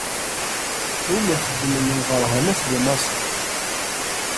Win i ixxedmen lbeṛhanat di Maṣer.